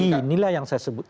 inilah yang saya sebut